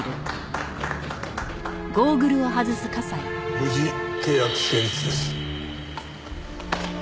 無事契約成立です。